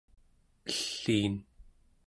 elliin